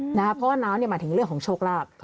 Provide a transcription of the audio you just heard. เพราะว่าน้ำหมายถึงเรื่องของโชคลาภ